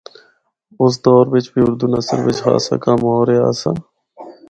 اُس دور بچ بھی اُردو نثر بچ خاصا کم ہو رہیا آسا۔